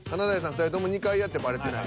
２人とも２回やってバレてない。